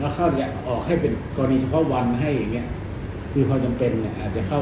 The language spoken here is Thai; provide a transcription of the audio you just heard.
เข้าเนี่ยออกให้เป็นกรณีเฉพาะวันให้อย่างเงี้ยมีความจำเป็นเนี่ยอาจจะเข้า